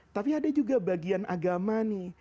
tapi ada juga bagian agama nih